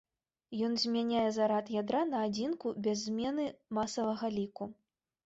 Ён змяняе зарад ядра на адзінку без змены масавага ліку.